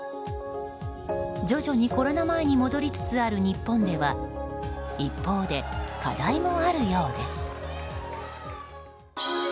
徐々にコロナ前に戻りつつある日本では一方で、課題もあるようです。